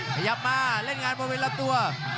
ขยับมาเล่นงานบริเวณลำตัว